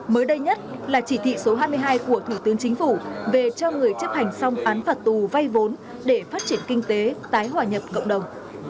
mới đây nhất là chỉ thị số hai mươi hai của thủ tướng chính phủ về cho người chấp hành xong án phạt tù vay vốn để phát triển kinh tế tái hòa nhập cộng đồng